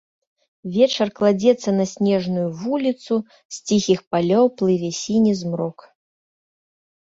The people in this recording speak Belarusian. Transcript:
Вечар кладзецца на снежную вуліцу, з ціхіх палёў плыве сіні змрок.